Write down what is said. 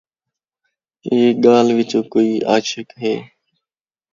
ایں گاٖلھ وچوں، کوئی عاشق ہے